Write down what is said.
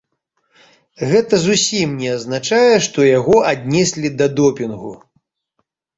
Гэта зусім не азначае, што яго аднеслі да допінгу.